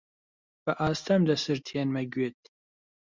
بە ئاستەم دەسرتێنمە گوێت: